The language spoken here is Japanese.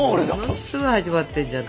ものすごい始まってんじゃん。